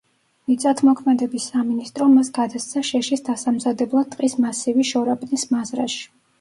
მიწათმოქმედების სამინისტრომ მას გადასცა შეშის დასამზადებლად ტყის მასივი შორაპნის მაზრაში.